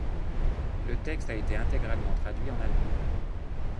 Le texte a été intégralement traduit en allemand.